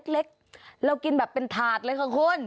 เล็กเรากินแบบเป็นถาดเลยค่ะคุณ